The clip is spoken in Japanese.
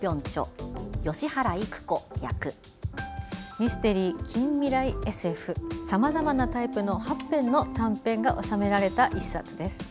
ミステリー、近未来ＳＦさまざまなタイプの８編の短編が収められた一冊です。